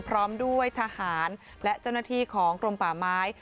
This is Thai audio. พร้อมด้วยทหารและเจ้าหน้าที่ของกรมป่าไม้